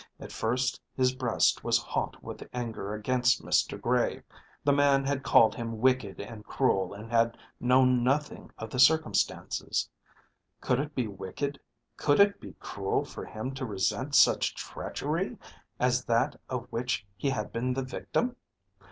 At first his breast was hot with anger against Mr. Gray. The man had called him wicked and cruel, and had known nothing of the circumstances. Could it be wicked, could it be cruel for him to resent such treachery as that of which he had been the victim?